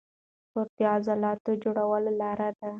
سپورت د عضلاتو جوړولو لاره ده.